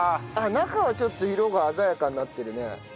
中はちょっと色が鮮やかになってるね。